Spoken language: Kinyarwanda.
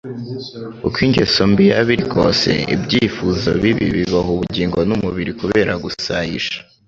Uko ingeso mbi yaba iri kose, ibyifuzo bibi biboha ubugingo n’umubiri kubera gusayisha,